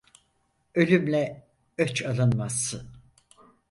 Ölümle öç alınmaz.